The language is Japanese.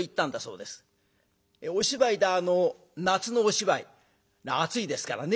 お芝居で夏のお芝居暑いですからね。